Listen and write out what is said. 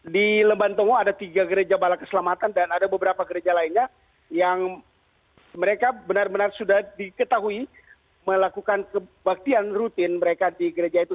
di lembantomo ada tiga gereja bala keselamatan dan ada beberapa gereja lainnya yang mereka benar benar sudah diketahui melakukan kebaktian rutin mereka di gereja itu